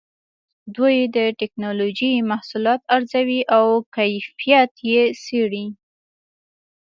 دوی د ټېکنالوجۍ محصولات ارزوي او کیفیت یې څېړي.